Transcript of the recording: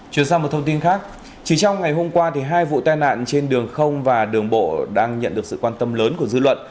chuyển sang một thông tin khác chỉ trong ngày hôm qua hai vụ tai nạn trên đường không và đường bộ đang nhận được sự quan tâm lớn của dư luận